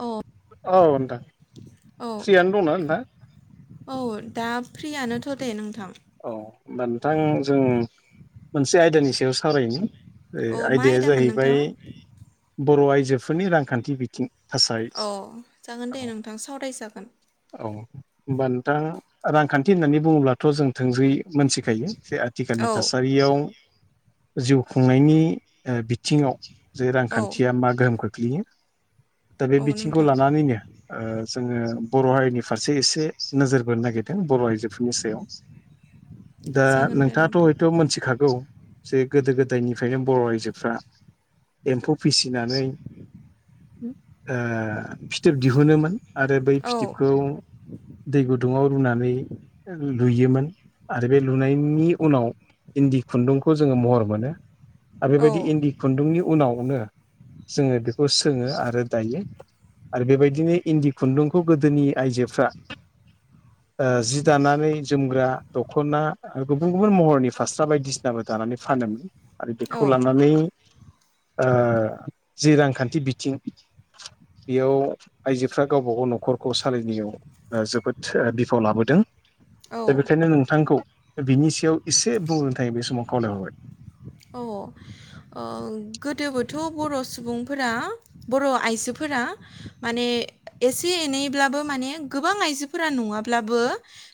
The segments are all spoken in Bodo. औ औ नोंथां औ फ्रियानो दंना नोंथां औ दा फ्रियानोथ' दे नोंथां। औ होमबा नोंथां जों मोनसे आयदानि सायाव सावरायनो औ मा आयदाया आयदामोन जाहैबाय नोंथां बर' आइजोफोरनि रांखान्थि बिथिं थासारि अ जागोन औ दे नोंथां सावरायजागोन। औ होमबा नोंथां रांखान्थि होननानै बुङोब्लाथ' जों थोंजोंयि मोनथिखायो जे आथिखालनि औ थासारियाव जिउ खुंनायनि बिथिङाव जे औ रांखान्थिया मा गोहोम खोख्लैयो दा बे औ बिथिंखौ नोंथां लानानैनो ओजोङो बर' हारिनि फारसे एसे नोजोर बोनो नागिरदों बर' आइजोफोरनि सायाव। दा जागोन दे नोंथाङाथ' नोंथां हयथ' मोनथिखागौ जे गोदो गोदायनिफ्रायनो बर' आयजोफ्रा एम्फौ फिसिनानै ओ फिथोब दिहुनोमोन। आरो बै औ फिथिबखौ दै गुदुङाव रुनानै लुयोमोन ओ आरो बे लुनायनि उनाव इन्दि खुन्दुंखौ जोङो महर मोनो आरो औ बेबायदि इन्दि खुन्दुंनि उनावनो जोङो बेखौ सोङो आरो दायो आरो बेबायदिनो इन्दि खुन्दुंखौ गोदोनि आइजोफ्रा जि दानानै जोमग्रा दख'ना आरो गुबुन गुबुन महरनि फास्रा बायदिसिनाबो दानानै फानोमोन। आरो बेखौ लानानै जि रांखान्थि बिथिं [inaudible] बेयाव आइजोफ्रा गावबागाव न'खरखौ सालायनायाव जोबोद बिफाव लाबोदों। दा औ। बेखायनो नोंथांखौ बिनि सायाव एसे बुंनो थाखाय बे समाव खावलायहरबाय औ गोदोबोथ' बर' सुबुंफोरा बर' आइजोफोरा फोरा माने एसे एनैब्लाबो माने गोबां आइजोफोरा नङाब्लाबो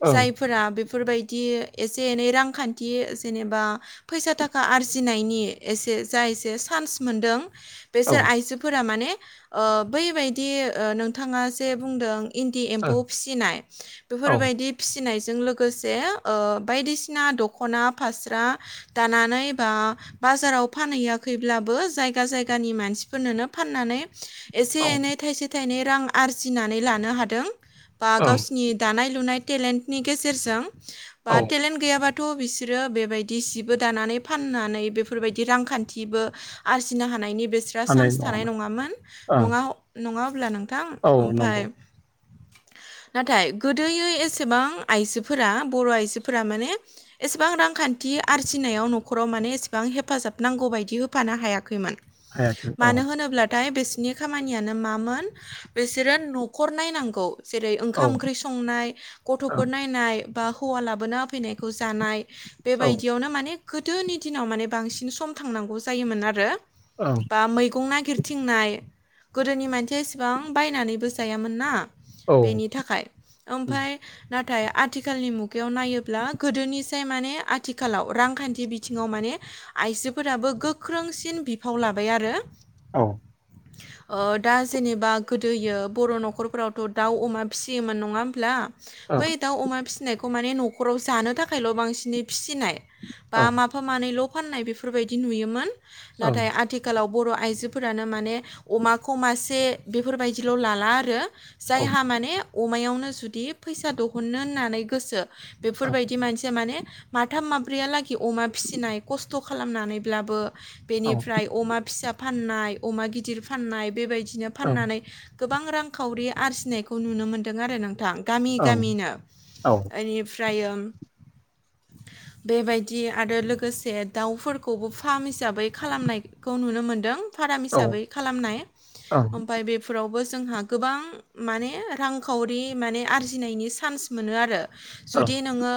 ओं जायफोरा बेफोरबायदि एसे एनै रांखान्थि जेनेबा फैसा थाखा थाखा आरजिनायनि एसे जा एसे सान्स मोनदों औ बेसोर आइजोफोरा माने बैबायदि नोंथाङा जे बुंदों। इन्दि एम्फौ फिसिनाय ओं बेफोरबायदि फिसिनाय जों लोगोसे बायदिसिना दखना फास्रा दानानै एबा बाजाराव फानहैयाखैब्लाबो जायगा जायगानि मानसिफोरनोनो फाननानै एसे औ एनै थाइसे थाइनै रां आरजिनानै लानो हादों। बा ओं गावसिनि दानाय लुनाय टेलेन्टनि गेजेरजों औ बा टेलेन्ट गैयाब्ला थ' बिसोरो बेबायदि सिबो दानानै फाननानै बेफोरबायदि रांखान्थिबो आरजिनो हानायनि बेसोरहारा चान्स थानाय नङामोन ओं नङा अब्ला नोंथां औ ओमफ्राय नंगौ [inaudible] नाथाय गोदोयै एसेबां आइजोफोरा बर' आइजोफोरा माने एसेबां रांखान्थि खान्थि आरजिनायाव न'खराव माने एसेबां हेफाजाब नांगौ बायदि होफानो हायाखैमोन। हायाखै औ दायो बिसिनि खामानियानो मामोन बिसोरो न'खर नायनांगौ जेरै औ ओंखाम ओं ओंख्रि संनाय औ गथ'फोर नायनाय बा हौवा लाबोना होफैनायखौ जानाय ओं बेबायदियावनो माने गोदोनि दिनाव माने बांसिन सम थांनांगौ जायोमोन आरो औ बा मैगं नाय गिरथिंनाय गोदोनि मानसिया एसेबां बायनानैबो जायामोन ना औ बेनि थाखाय ओं ओमफ्राय ना नाथाय आथिखालनि मुगायाव नायोब्ला गोदोनिसाय माने आथिखालाव रांखान्थि बे बिथिङाव माने आइजोफोराबो गोख्रोंसिन बिफाव लाबाय आरो औ ओ दा जेनेबा गोदोयो बर' न'खरफोरावथ' दाउ अमा फिसियोमोन नङा होमब्ला बै दाउ अमा फिसिनायखौ माने न'खराव जानो थाखायल' बांसिनै फिसिनाय बा माफा मानैल' फाननाय बेफोरबायदि नुयोमोन औ नाथाय आथिखालाव बर' आइजोफोरानो माने अमाखौ मासे बेफोरबायदिल' लाला आरो औ जायहा माने अमायावनो जुदि फैसा दिहुननो होननानै गोसो औ बेफोरबायदि मानसिया माने माथाम माब्रैया लागै अमा फिसिनाय खस्थ' खालामनानैब्लाबो औ बेनिफ्राय अमा फिसा फाननाय अमा गिदिर फाननाय बेबायदिनो औ फाननानै गोबां रांखावरि आरजिनायखौ नुनो मोन्दों आरो नोंथां। गामि औ गामिनो औ बेनिफ्रायो बेबायदि दि आरो लोगोसे दाउफोरखौबो फार्म हिसाबै खालामनायखौ नुनो मोनदों फाराम औ हिसाबै खालामनाय ओमफ्राय बेफोरावबो जोंहा गोबां माने रांखावरि माने आरजिनायनि सान्स मोनो आरो ओं जुदि नोङो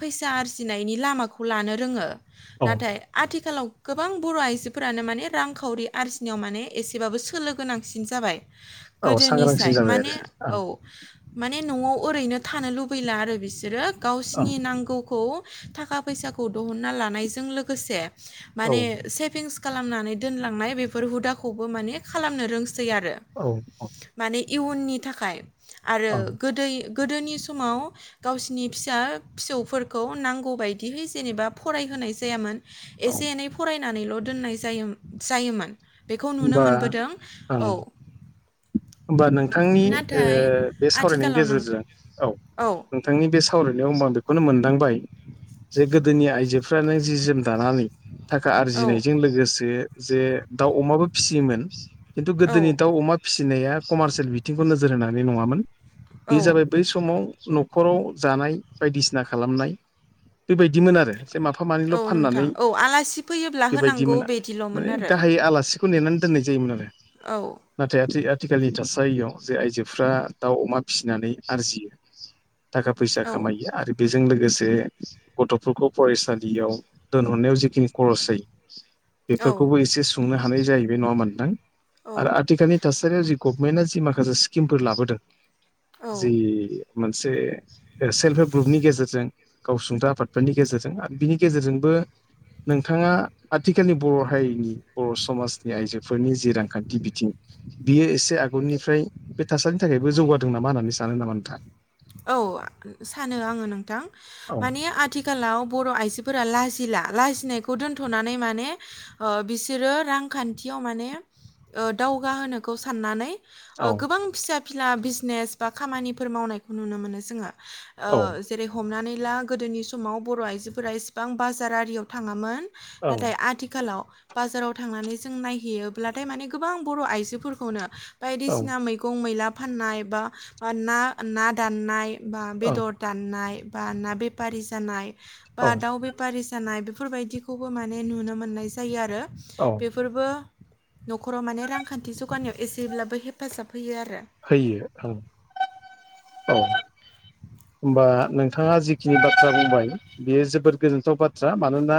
फैसा आरजिनायनि लामाखौ लानो रोङो ओं नाथाय आथिखालाव गोबां बर' आइजोफोरानो माने रांखावरि आरजिनायाव माने एसेबाबो सोलो गोनांसिन जाबाय औ गोदोनि सांग्रांसिन साय जाबाय माने आरो औ माने न'आव ओरैनो थानो लुबैला आरो बिसोरो ओं गावसिनि नांगौखौ थाखा फैसाखौ दहनना लानायजों लोगोसे माने ओं सेभिंस खालामनानै दोनलांनाय बेफोर हुदाखौबो माने खालामनो रोंसै आरो औ औ माने इयुननि थाखाय आरो ओं गोदै गोदोनि समाव गावसिनि फिसा फिसौफोरखौ नांगौबायदि बिदिहै जेनेबा फरायहोनाय जायामोन औ एसे एनै फरायनानैल' दोननाय जाय जायोमोन। बेखौ नुनो होमबा मोनबोदों ओं औ होमबा नोंथांनि ओ नाथाय बे सावरायनायनि आथिखालाव नों गेजेरजों औ नोंथांनि बे सावरायनायाव होनबा आं बेखौनो मोनदांबाय जे गोदोनि आइजोफ्रानो जि जोम दानानै थाखा औ आरजिनायजों लोगोसे जे दाउ अमाबो फिसियोमोन खिन्थु गोदोनि औ दाउ अमा फिसिनाया कमारसियेल बिथिंखौ नोजोर होनानै नङामोन। बे औ जाबाय बै समाव न'खराव जानाय बायदिसिना खालामनाय बेबायदिमोन आरो। जे माफा मानैल' औ नोंथां फाननानै औ आलासि फैयोब्ला होनांगौ बेबायदिमोन बिदिल'मोन माने आरो गाहायै आलासि खौ नेनानै दोननाय जायोम मोन आरो‌। औ नाथाय आथि आथिखालनि थासारियाव जे आइजोफ्रा दाउ अमा फिसिनानै आरजियो। थाखा फैसा औ खामायो आरो बे जों लोगोसे गथ'फोरखौ फरायसालियाव दोनहरनायाव जेखिनि खरस जायो औ बेफोरखौबो एसे सुंनो हानाय जाहैबाय नङा होनबा नोंथां औ नि थासारियाव जि गभमेन्टआ जि माखासे स्किमफोर लाबोदों जि औ मोनसे सेल्फ हेल्प ग्रुपनि गेजेरजों गावसुंथा आफादफोरनि गेजेरजों आरो बिनि गेजेरजोंबो बो नोंथाङा आथिखालनि बर' हारिनि बर' समाजनि आइजोफोरनि जि रां खान्थि बिथिं बियो एसे आगोलनिफ्राय बे थासारिनि थाखायबो जौगादों नामा होननानै सानो नामा नोंथां? औ सानो आङो नोंथां औ माने आथिखालाव बर' आइजोफोरा लाजि ला लाजिनायखौ दोन्थ'नानै माने ओ बिसोरो रांखान्थियाव माने ओ दावगाहोनोखौ साननानै औ ओ गोबां फिसा फिला बिजनेस बा खामानिफोर मावनायखौ नुनो मोनो जोङो। औ ओ जेरै हमनानै ला गोदोनि समाव बर' आइजोफोरा इसेबां बाजार आरियाव थाङामोन औ नाथाय आथिखालाव बाजाराव थांनानै जों नायहैयोब्लाथाय माने गोबां बर' आइजोफोरखौनो औ बायदिसिना मैगं मैला फाननाय बा ना ना दाननाय बा बेदर औ दाननाय बा ना बेफारि जानाय बा दाउ बेफारि जानाय बे बेफोरबायदिखौबो माने नुनो मोननाय जायो आरो। औ बेफोरबो न'खराव माने रांखान्थि जौगानायाव एसेब्लाबो हेफाजाब होयो आरो होयो औ औ। होमबा नोंथाङा जिखिनि बाथ्रा बुंबाय बेयो जोबोद गोजोनथाव बाथ्रा। मानोना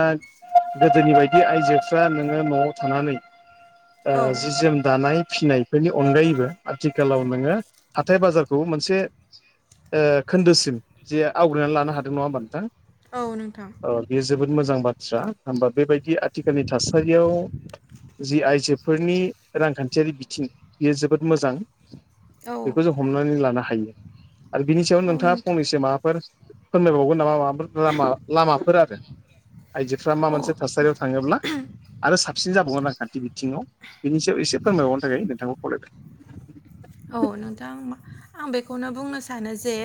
गोदोनि बायदि आइजोफ्रा नोङो न'आव थानानै ओ औ जि जोम दानाय फिसिनायफोरनि अनगायैबो आथिखालाव नोङो हाथाय बाजारखौ मोनसे ओ खोन्दोसिम जे आवग्रिनानै लानो हादों नङा होमबा नोंथां? औ नोंथां। ओ बेयो जोबोद मोजां बाथ्रा होनबा बेबायदि आथिखालनि थासारियाव जि आइजो फोरनि रांखान्थियारि बिथिं बियो जोबोद मोजां औ बेखौ जों हमनानै लानो हा यो आरो बिनि सायाव औ नोंथाङा नोंथां फंनैसो माबाफोर फोरमायबावगोन नामा? माबा फोर लामा लामाफोर आरो। आइजोफ्रा मा मोनसे औ थासारियाव थाङोब्ला आरो साबसिन जाबावगोन आरो खान्थि बिथिङाव बिनि सायाव एसे फोरमायबावनो थाखाय नोंथांखौ खावलायबाय। औ नोंथां आं बेखौनो बुंनो सानो जे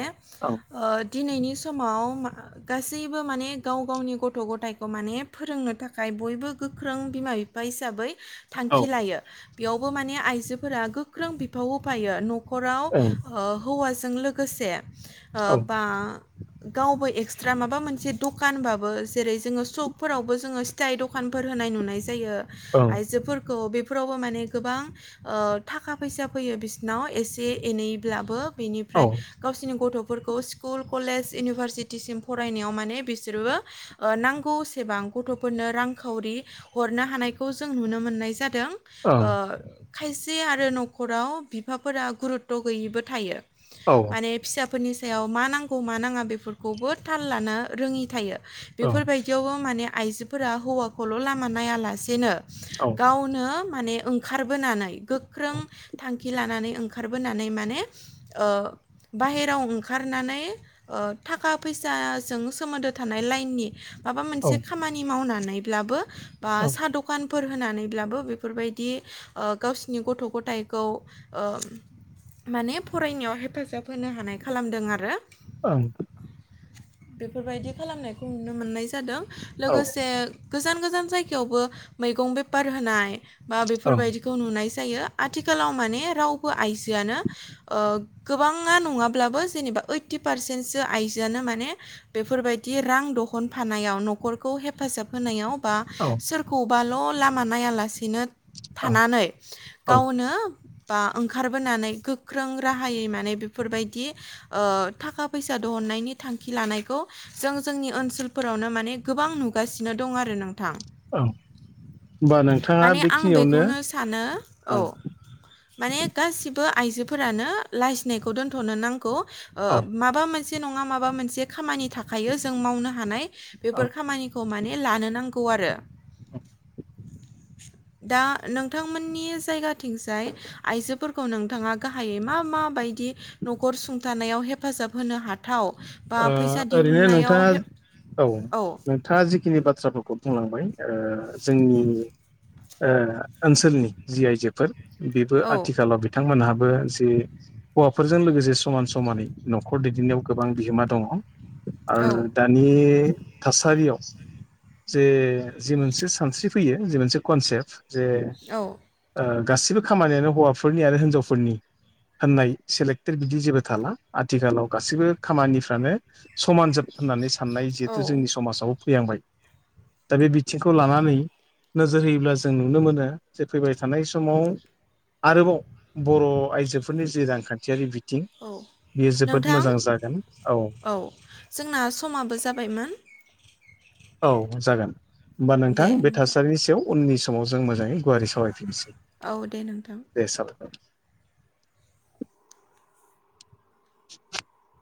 औ ओ दिनैनि समाव मा गासैबो माने गाव गावनि गथ' गथाइखौ माने फोरोंनो थाखाय बयबो गोख्रों बिमा बिफा हिसाबै औ थांखि लायो। बेयावबो माने आइजोफोरा गोख्रों बिफाव होफायो न न'खराव ओं ओ हौवाजों लोगोसे ओ औ बा गावबो एक्सट्रा माबा मोनसे दखानबाबो जेरै जोङो सकफोरावबो जोङो सिथाइ दखान फोर होनाय नुनाय जायो ओं आइजोफोरखौ। बेफोरावबो माने गोबां ओ थाखा फैसा फैयो बिसिनाव एसे एनैब्लाबो औ बेनिफ्राय गावसिनि गथ' फोरखौ स्कुल कलेज इउनिभारसिटिसिम फरायनायाव माने बिसोरबो ओ नांगौ सेबां गथ'फोरनो रांखावरि हरनो हानायखौ जों नुनो मोननाय जा दों ओ ओं खायसे आरो न'खराव बिफाफोरा गुरुत्त' गैयिबो थायो। औ माने फिसाफोरनि सायाव मा नांगौ मा नाङा बेफोरखौबो थाल लानो रोङि थायो। ओं बेफोरबायदियावबो माने आइजोफोरा हौवाखौल' लामा नायालासे नो औ गावनो माने ओंखारबोनानै गोख्रों थांखि लानानै ओंखारबोनानै माने ओ बाहेराव ओंखारनानै ओ थाखा फैसाजों सोमोन्दो थानाय लाइननि माबा मोनसे ओं खामानि मावनानैब्लाबो बा ओं साहा दखान फोर होनानैब्लाबो बेफोरबायदि ओ गावसिनि गथ' गथाय खौ ओ माने फरायनायाव हेफाजाब होनो हानाय खालामदों आरो। औ ओं बेफोरबायदि खालामनायखौ नुनो मोननाय जादों। लोगोसे गोजान गोजान जायगायावबो मैगं बेफार होनाय बा बेफोरबायदिखौ नुनाय जायो। आ आथिखालाव माने रावबो आइजोआनो ओ गोबाङा नङाब्लाबो जेनेबा ओइथि फारसेस आइजोआनो माने बेफोरबायदि रां दहनफानायाव न'खरखौ हेफाजाब होनायाव बा औ ओं सोरखौबाल' लामा नायालासिनो औ थानानै ओं गावनो बा ओंखारबोनानै गोख्रों राहायै माने बेफोरबायदि थाखा फैसा दहन थांखि लानायखौ जों जोंनि ओनसोलफोरावनो माने गोबां नुगासिनो दं आरो नोंथां होमबा नोंथाङा माने आं बेखिनियावनो बेखौनो सानो औ ओं माने गासिबो आइजोफोरानो लाजिनायखौ दोनथ'नो नां गौ ओ औ माबा मोनसे नङा माबा मोनसे खामानि थाखायो जों मावनो हानाय बेफोर ओं खामानिखौ माने लानो नांगौ। गौ आरो दा नोंथांमोननि जायगाथिंजाय आइजोफोरखौ नोंथाङा गाहायै मा मा बायदि न'खर सुंथानायाव हेफाजाब होनो हाथाव बा फैसा ओरैनो दिहुननायाव नोंथाङा हे औ नोंथाङा जिखिनि बाथ्रा बुं खौ बुंलांबाय जोंनि ओनसोलनि जि आइजोफोर बेबो औ आथिखालाव बिथांमोनहाबो हौवाफोरजों लोगोसे समान समानै न'खर दैदेननायाव गोबां बिहोमा दङ औ आरो दानि थासारियाव जे जि मोनसे सानस्रि फैयो जि मोनसे कनसेप्ट जे औ गासिबो खामानियानो हौवाफोरनि आरो हिनजावफोरनि होननाय सेलेक्टेड बिदि जेबो थाला आथिखालाव गासैबो खामानि समानजोब होननानै साननाय औ जिहेथु जोंनि समाजावबो फैहांबाय दा बे बिथिंखौ लानानै नोजोर होयोब्ला जों नुनो मोनो जे फैबाय थानाय समाव आरोबाव बर' आइजोफोरनि जि रांखान्थियारि बिथिं थिं औ बियो जोबोद नोंथां मोजां जागोन। औ जोंना समाबो जाबायमोन औ जागोन होमबा नोंथां बे थासारिनि सायाव उननि समाव जों मोजाङै गुवारै सावरायफिनसै औ दे नोंथां। [inaudible]